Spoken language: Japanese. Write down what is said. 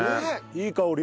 いい香り。